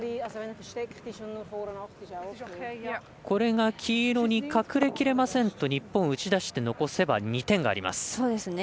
これが黄色に隠れきれませんと日本、打ち出して残せば２点があります。